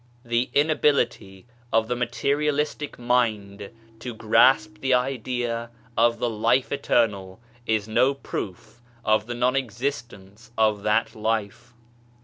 The inability of the Materialistic mind to grasp the idea of the Life Eternal is no proof of the non existence of that Life.